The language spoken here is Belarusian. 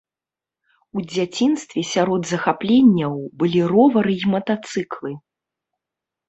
У дзяцінстве сярод захапленняў былі ровары і матацыклы.